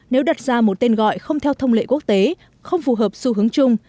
nếu đặt ra một tên gọi không theo thông lệ quốc tế không phù hợp xu hướng chung